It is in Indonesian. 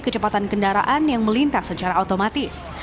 kecepatan kendaraan yang melintas secara otomatis